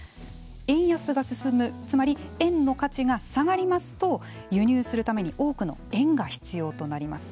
円安が進むつまり円の価値が下がりますと輸入するために多くの円が必要となります。